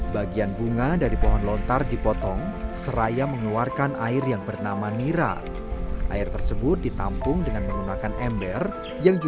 bambu dipotong sesuai dengan ukuran